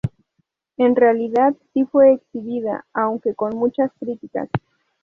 En realidad si fue exhibida, aunque con muchas críticas.